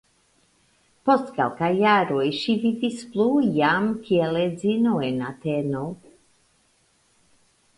Post kelkaj jaroj ŝi vivis plu jam kiel edzino en Ateno.